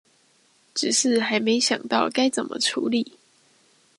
只是還沒想到該怎麼處理